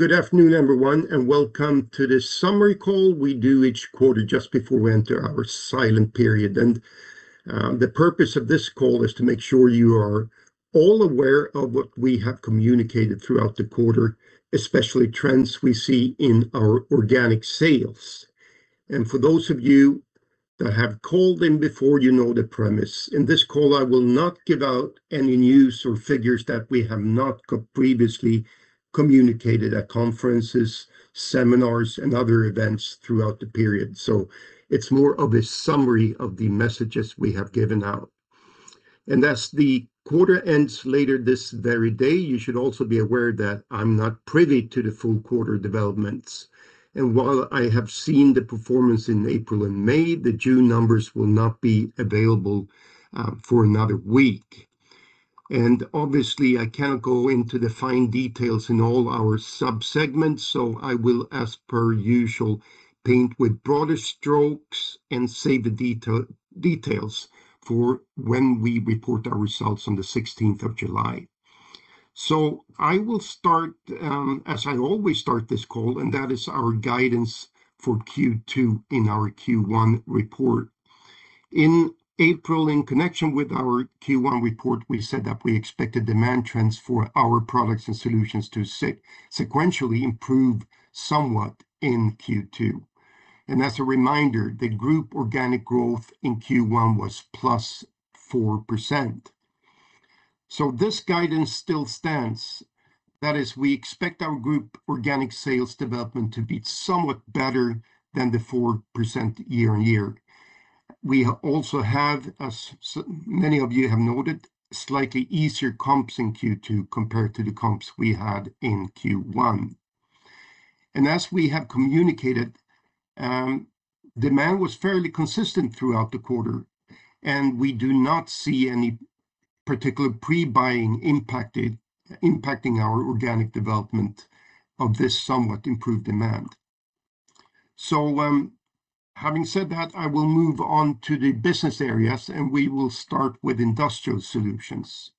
Good afternoon, everyone. Welcome to the summary call we do each quarter just before we enter our silent period. The purpose of this call is to make sure you are all aware of what we have communicated throughout the quarter, especially trends we see in our organic sales. For those of you that have called in before, you know the premise. In this call, I will not give out any news or figures that we have not previously communicated at conferences, seminars, and other events throughout the period. It's more of a summary of the messages we have given out. As the quarter ends later this very day, you should also be aware that I'm not privy to the full quarter developments. While I have seen the performance in April and May, the June numbers will not be available for another week. Obviously, I can't go into the fine details in all our sub-segments, so I will, as per usual, paint with broader strokes and save the details for when we report our results on the 16th of July. I will start as I always start this call, and that is our guidance for Q2 in our Q1 report. In April, in connection with our Q1 report, we said that we expected demand trends for our products and solutions to sequentially improve somewhat in Q2. As a reminder, the group organic growth in Q1 was +4%. This guidance still stands. That is, we expect our group organic sales development to be somewhat better than the 4% year-on-year. We also have, as many of you have noted, slightly easier comps in Q2 compared to the comps we had in Q1. As we have communicated, demand was fairly consistent throughout the quarter, and we do not see any particular pre-buying impacting our organic development of this somewhat improved demand. Having said that, I will move on to the business areas, and we will start with Trelleborg Industrial Solutions.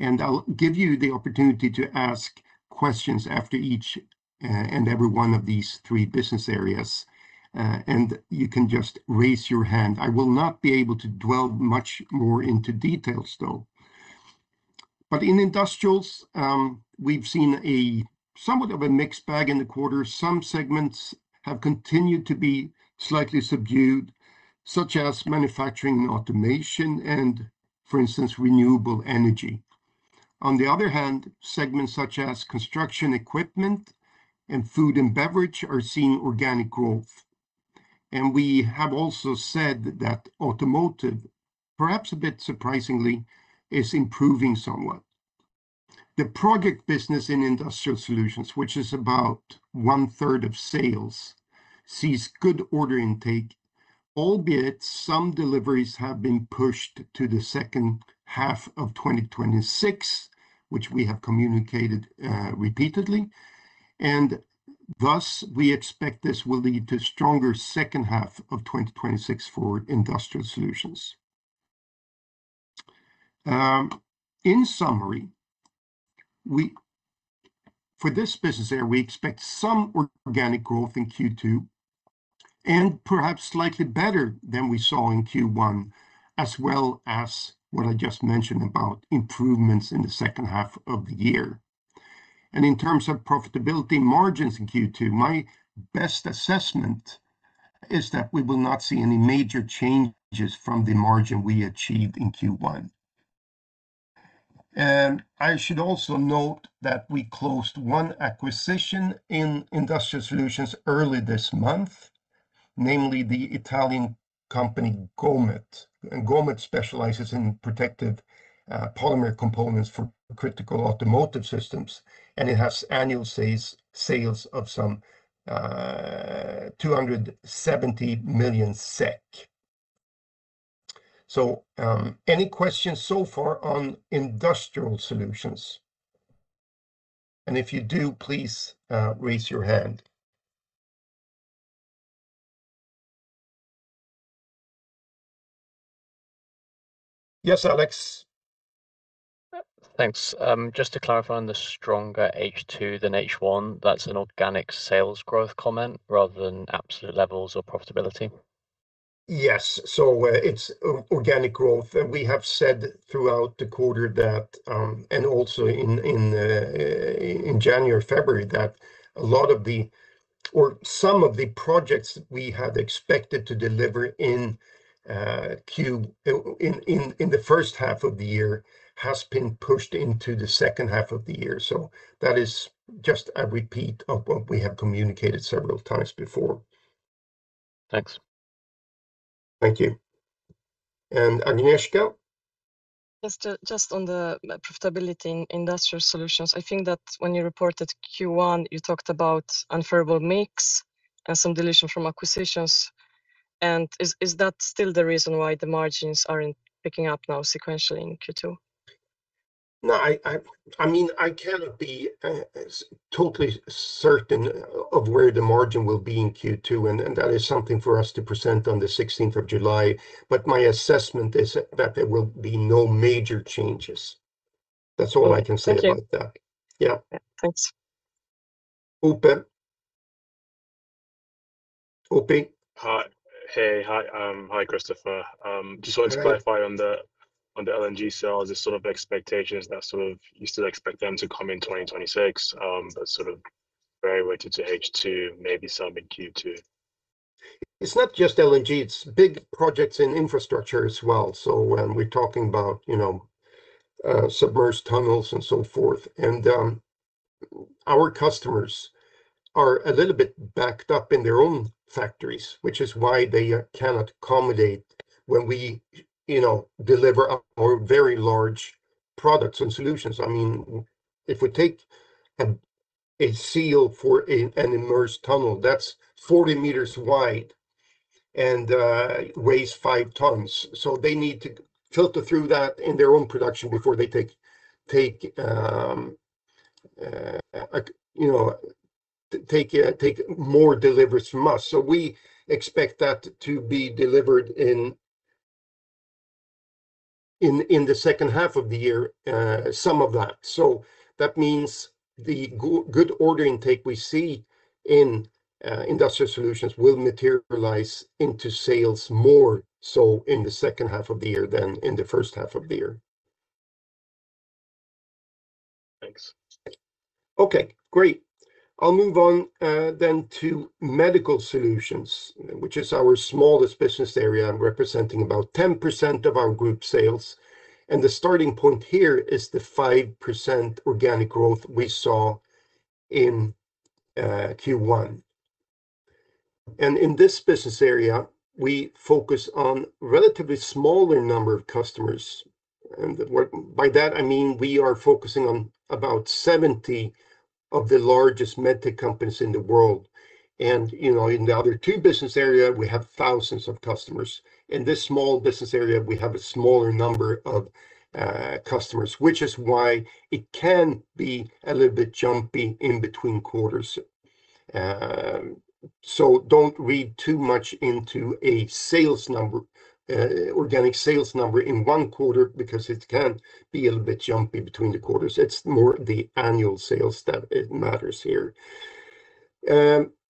I'll give you the opportunity to ask questions after each and every one of these three business areas, and you can just raise your hand. I will not be able to dwell much more into details, though. In Industrials, we've seen somewhat of a mixed bag in the quarter. Some segments have continued to be slightly subdued, such as manufacturing automation and, for instance, renewable energy. On the other hand, segments such as construction equipment and food and beverage are seeing organic growth. We have also said that automotive, perhaps a bit surprisingly, is improving somewhat. The project business in Trelleborg Industrial Solutions, which is about 1/3 of sales, sees good order intake, albeit some deliveries have been pushed to the second half of 2026, which we have communicated repeatedly. Thus we expect this will lead to stronger second half of 2026 for Trelleborg Industrial Solutions. In summary, for this business area, we expect some organic growth in Q2 and perhaps slightly better than we saw in Q1, as well as what I just mentioned about improvements in the second half of the year. In terms of profitability margins in Q2, my best assessment is that we will not see any major changes from the margin we achieved in Q1. I should also note that we closed one acquisition in Trelleborg Industrial Solutions early this month, namely the Italian company Gomet. Gomet specializes in protective polymer components for critical automotive systems, and it has annual sales of some 270 million SEK. Any questions so far on Industrial Solutions? If you do, please raise your hand. Yes, Alex. Thanks. Just to clarify on the stronger H2 than H1, that's an organic sales growth comment rather than absolute levels of profitability? Yes. It's organic growth. We have said throughout the quarter, and also in January or February, that some of the projects we had expected to deliver in the first half of the year has been pushed into the second half of the year. That is just a repeat of what we have communicated several times before. Thanks. Thank you. Agnieszka? Just on the profitability in Trelleborg Industrial Solutions, I think that when you reported Q1, you talked about unfavorable mix and some dilution from acquisitions. Is that still the reason why the margins aren't picking up now sequentially in Q2? No. I cannot be totally certain of where the margin will be in Q2, and that is something for us to present on the 16th of July, but my assessment is that there will be no major changes. That's all I can say about that. Thank you. Yeah. Thanks. Ope? Ope. Hey. Hi, Christofer. Hey. Just wanted to clarify on the LNG sales, the expectations that you still expect them to come in 2026, but very weighted to H2, maybe some in Q2. It's not just LNG, it's big projects in infrastructure as well. When we're talking about immersed tunnels and so forth. Our customers are a little bit backed up in their own factories, which is why they cannot accommodate when we deliver our very large products and solutions. If we take a seal for an immersed tunnel that's 40 m wide and weighs 5 tons, so they need to filter through that in their own production before they take more deliveries from us. We expect that to be delivered in the second half of the year, some of that. That means the good order intake we see in Industrial Solutions will materialize into sales more so in the second half of the year than in the first half of the year. Thanks. Okay, great. I'll move on then to Medical Solutions, which is our smallest business area, representing about 10% of our group sales. The starting point here is the 5% organic growth we saw in Q1. In this business area, we focus on relatively smaller number of customers. By that I mean we are focusing on about 70 of the largest med tech companies in the world. In the other two business area, we have thousands of customers. In this small business area, we have a smaller number of customers, which is why it can be a little bit jumpy in between quarters. Don't read too much into an organic sales number in one quarter because it can be a little bit jumpy between the quarters. It's more the annual sales that matters here.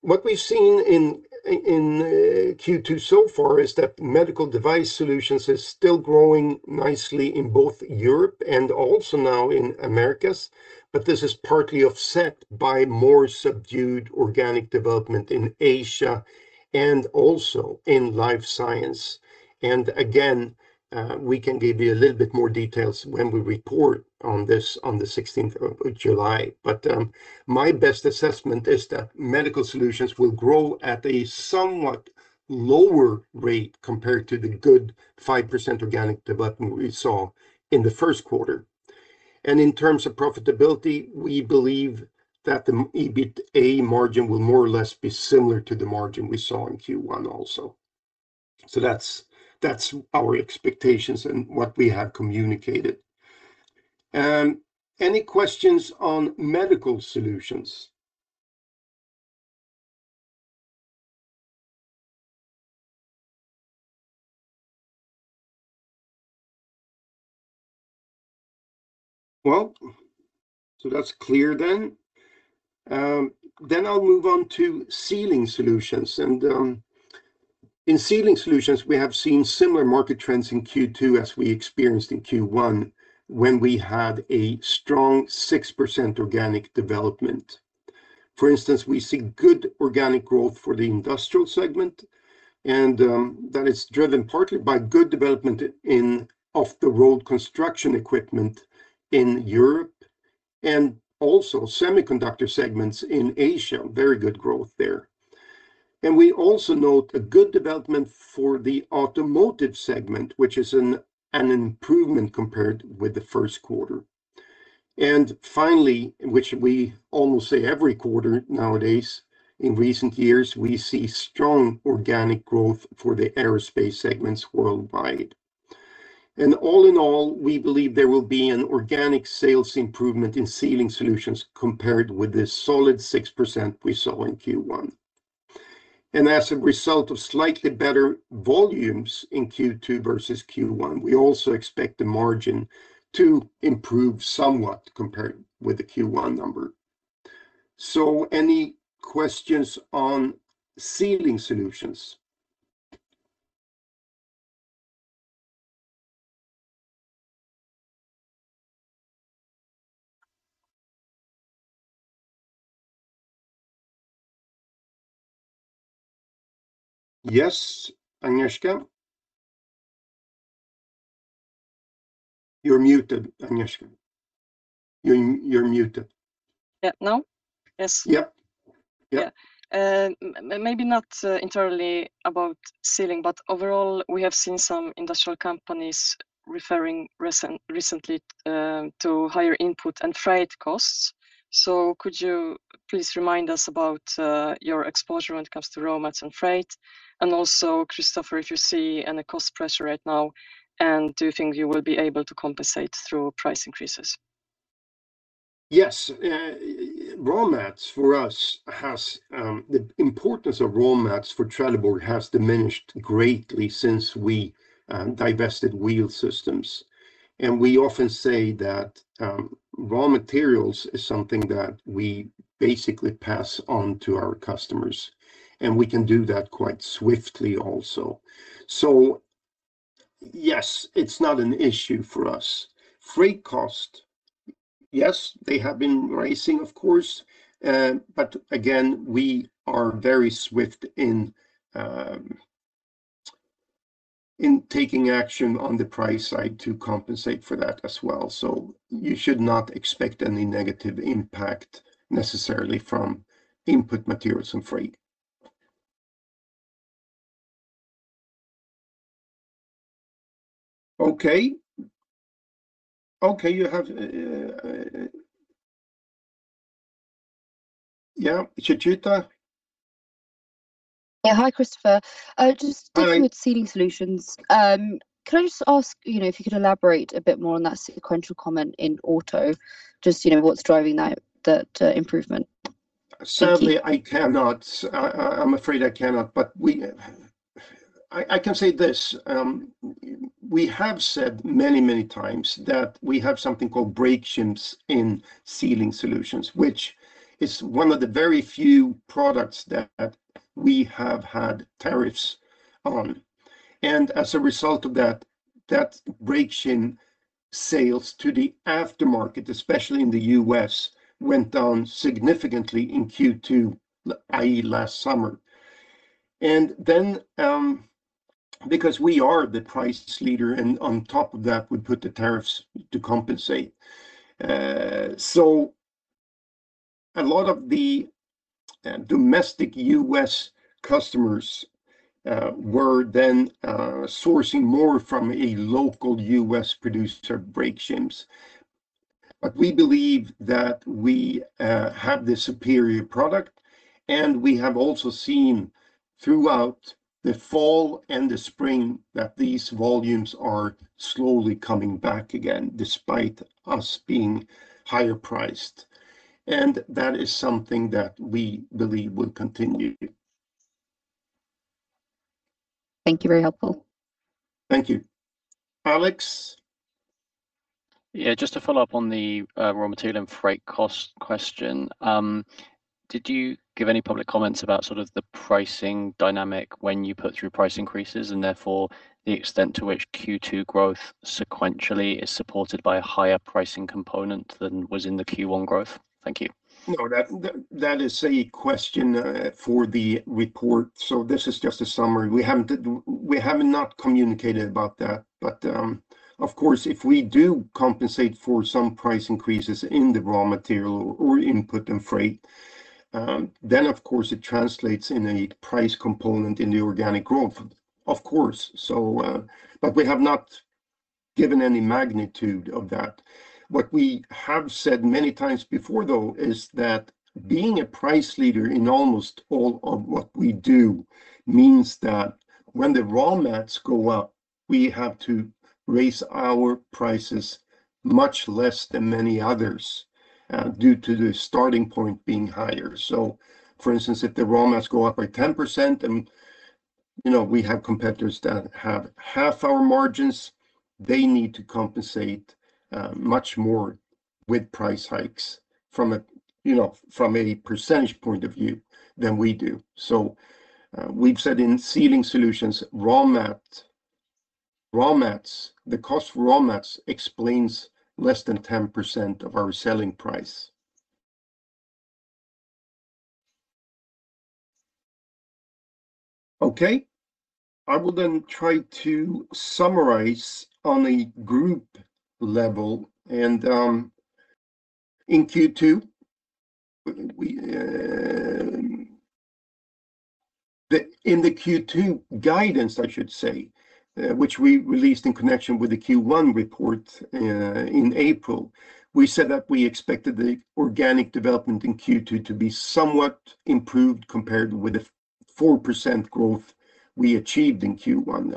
What we've seen in Q2 so far is that Medical Device Solutions is still growing nicely in both Europe and also now in Americas, but this is partly offset by more subdued organic development in Asia and also in life science. Again, we can give you a little bit more details when we report on this on the 16th of July. My best assessment is that Medical Solutions will grow at a somewhat lower rate compared to the good 5% organic development we saw in the first quarter. In terms of profitability, we believe that the EBITA margin will more or less be similar to the margin we saw in Q1 also. That's our expectations and what we have communicated. Any questions on Medical Solutions? That's clear then. I'll move on to Sealing Solutions. In Sealing Solutions, we have seen similar market trends in Q2 as we experienced in Q1, when we had a strong 6% organic development. For instance, we see good organic growth for the industrial segment, that is driven partly by good development in off-the-road construction equipment in Europe and also semiconductor segments in Asia. Very good growth there. We also note a good development for the automotive segment, which is an improvement compared with the first quarter. Finally, which we almost say every quarter nowadays, in recent years, we see strong organic growth for the aerospace segments worldwide. All in all, we believe there will be an organic sales improvement in Sealing Solutions compared with the solid 6% we saw in Q1. As a result of slightly better volumes in Q2 versus Q1, we also expect the margin to improve somewhat compared with the Q1 number. Any questions on Sealing Solutions? Yes, Agnieszka? You're muted, Agnieszka. You're muted. Yeah, now? Yes. Yep. Yeah. Maybe not entirely about Sealing, but overall, we have seen some industrial companies referring recently to higher input and freight costs. Could you please remind us about your exposure when it comes to raw mats and freight? Also, Christofer, if you see any cost pressure right now, do you think you will be able to compensate through price increases? Yes. The importance of raw mats for Trelleborg has diminished greatly since we divested Wheel Systems. We often say that raw materials is something that we basically pass on to our customers, and we can do that quite swiftly also. Yes, it's not an issue for us. Freight cost, yes, they have been rising, of course. Again, we are very swift in taking action on the price side to compensate for that as well. You should not expect any negative impact necessarily from input materials and freight. Okay. You have, yeah, Chitrita? Yeah. Hi, Christofer. Hi. Just sticking with Sealing Solutions, could I just ask if you could elaborate a bit more on that sequential comment in auto, just what's driving that improvement? Thank you. Sadly, I cannot. I am afraid I cannot. I can say this. We have said many, many times that we have something called brake shims in Trelleborg Sealing Solutions, which is one of the very few products that we have had tariffs on. As a result of that, brake shim sales to the aftermarket, especially in the U.S., went down significantly in Q2, i.e. last summer. Because we are the price leader, and on top of that, we put the tariffs to compensate. A lot of the domestic U.S. customers were then sourcing more from a local U.S. producer brake shims. We believe that we have the superior product, and we have also seen throughout the fall and the spring that these volumes are slowly coming back again, despite us being higher priced. That is something that we believe will continue. Thank you. Very helpful. Thank you. Alex? Just to follow up on the raw material and freight cost question. Did you give any public comments about sort of the pricing dynamic when you put through price increases, and therefore the extent to which Q2 growth sequentially is supported by a higher pricing component than was in the Q1 growth? Thank you. That is a question for the report. This is just a summary. We have not communicated about that. Of course, if we do compensate for some price increases in the raw material or input and freight, then of course it translates in a price component in the organic growth. Of course. We have not given any magnitude of that. What we have said many times before, though, is that being a price leader in almost all of what we do means that when the raw mats go up, we have to raise our prices much less than many others due to the starting point being higher. For instance, if the raw mats go up by 10%, and we have competitors that have half our margins, they need to compensate much more with price hikes from a percentage point of view than we do. We've said in Sealing Solutions, the cost for raw mats explains less than 10% of our selling price. I will then try to summarize on a group level. In Q2, in the Q2 guidance, I should say, which we released in connection with the Q1 report in April, we said that we expected the organic development in Q2 to be somewhat improved compared with the 4% growth we achieved in Q1.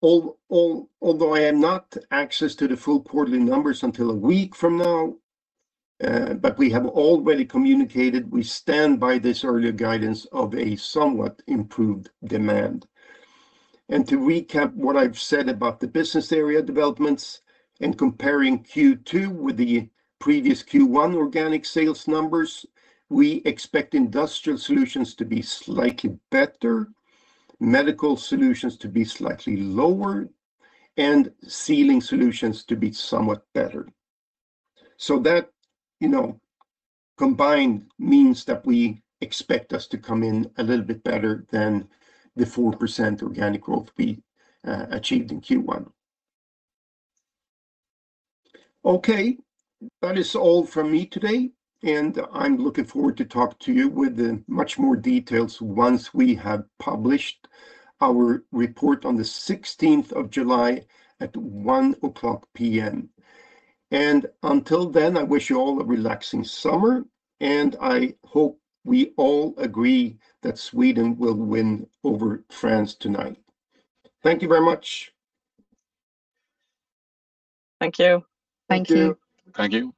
Although I have not access to the full quarterly numbers until a week from now, we have already communicated, we stand by this earlier guidance of a somewhat improved demand. To recap what I've said about the business area developments and comparing Q2 with the previous Q1 organic sales numbers, we expect Industrial Solutions to be slightly better, Medical Solutions to be slightly lower, and Sealing Solutions to be somewhat better. That combined means that we expect us to come in a little bit better than the 4% organic growth we achieved in Q1. That is all from me today, and I'm looking forward to talk to you with much more details once we have published our report on the 16th of July at 1:00 P.M. Until then, I wish you all a relaxing summer, and I hope we all agree that Sweden will win over France tonight. Thank you very much. Thank you. Thank you. Thank you.